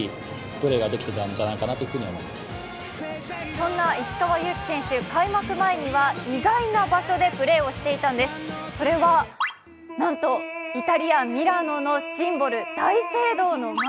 そんな石川祐希選手、開幕前には意外な場所でプレーをしていたんです、それはなんと、イタリア・ミラノのシンボル、大聖堂の前。